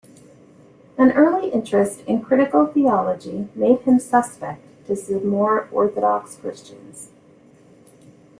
An early interest in critical theology made him suspect to some more 'orthodox' Christians.